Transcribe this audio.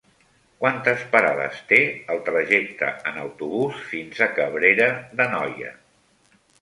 Quantes parades té el trajecte en autobús fins a Cabrera d'Anoia?